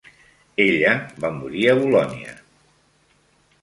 Ella va morir a Bolonya.